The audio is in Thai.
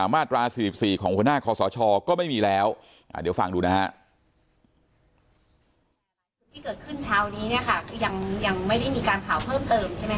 มาตรา๔๔ของคศชก็ไม่มีแล้วเดี๋ยวฟังดูนะครับ